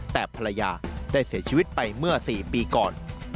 แต่ภรรยาได้เสียชีวิตไปเมื่อ๔ปีก่อน